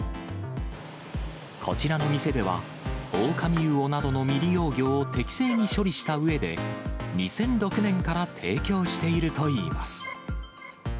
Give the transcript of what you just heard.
こちらの店では、オオカミウオなどの未利用魚を適切に処理したうえで、２００６年から提供しているといいます。